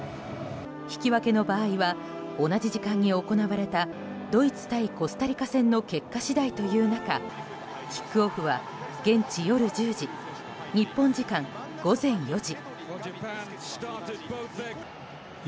引き分けの場合は同じ時間に行われたドイツ対コスタリカ戦の結果次第という中キックオフは現地夜１０時日本時間午前４時。